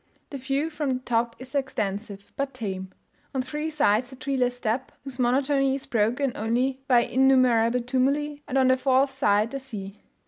The view from the top is extensive, but tame; on three sides a treeless steppe, whose monotony is broken only by innumerable tumuli; and on the fourth side, the sea.